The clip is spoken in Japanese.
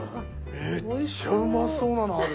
めっちゃうまそうなのある！